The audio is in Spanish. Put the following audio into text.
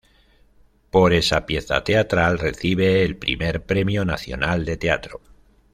Por esa pieza teatral recibe el Primer Premio Nacional de Teatro.